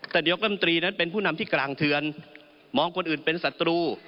แต่นายกรรมตรีนั้นเป็นผู้นำที่กลางเทือนมองคนอื่นเป็นศัตรู